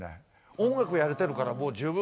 「音楽やれてるからもう十分。